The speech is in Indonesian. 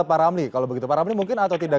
pak ramli kalau begitu pak ramli mungkin atau tidak